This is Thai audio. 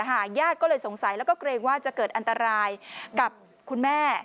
ญาติก็เลยสงสัยแล้วก็เกรงว่าจะเกิดอันตรายกับคุณแม่